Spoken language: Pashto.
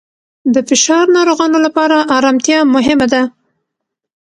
د فشار ناروغانو لپاره آرامتیا مهمه ده.